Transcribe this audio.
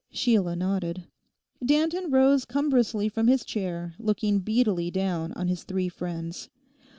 Sheila nodded. Danton rose cumbrously from his chair, looking beadily down on his three friends.